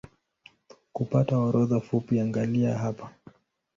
Kupata orodha fupi angalia hapa